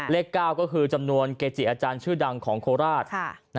เลข๙ก็คือจำนวนเกจิอาจารย์ชื่อดังของโคราช